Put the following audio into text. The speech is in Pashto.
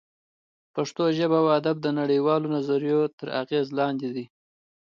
پښتو ژبه او ادب د نړۍ والو نظریو تر اغېز لاندې دی